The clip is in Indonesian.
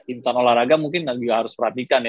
insan olahraga mungkin juga harus perhatikan ya